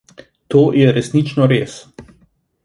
To je resnično res.